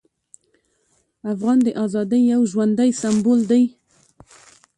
افغان د ازادۍ یو ژوندی سمبول دی.